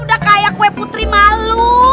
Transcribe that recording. udah kayak kue putri malu